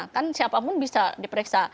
kan siapapun bisa diperiksa